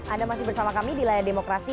anda masih bersama kami di layar demokrasi